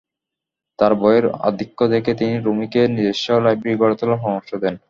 তাঁর বইয়ের আধিক্য দেখে তিনি রুমীকে নিজস্ব লাইব্রেরি গড়ে তোলার পরামর্শ দেন।